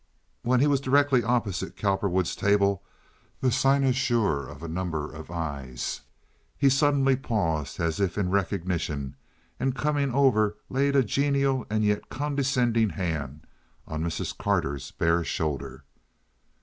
When he was directly opposite Cowperwood's table—the cynosure of a number of eyes—he suddenly paused as if in recognition, and, coming over, laid a genial and yet condescending hand on Mrs. Carter's bare shoulder.